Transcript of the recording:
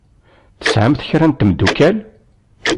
Tesɛamt kra n temddukal?